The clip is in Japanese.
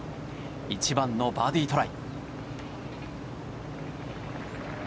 １番のバーディートライ。